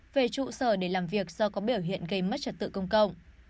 về trụ sở để làm việc do có biểu hiện gây mất trật tự công cộng